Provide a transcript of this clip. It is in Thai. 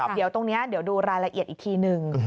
เดี๋ยวตรงนี้เดี๋ยวดูรายละเอียดอีกทีนึง